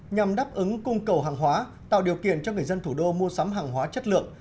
nhằm đáp ứng cung cầu hàng hóa tạo điều kiện cho người dân thủ đô mua sắm hàng hóa chất lượng